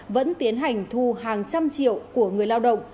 vẫn tiến hành thu hàng trăm triệu của người lao động